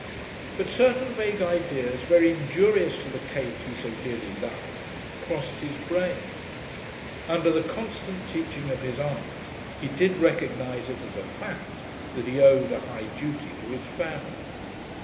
But certain vague ideas very injurious to the Kate he so dearly loved crossed his brain. Under the constant teaching of his aunt he did recognize it as a fact that he owed a high duty to his family.